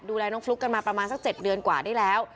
ดูแลน้องฟลุ๊กกันมาประมาณสัก๗เดือนกว่าได้แล้ว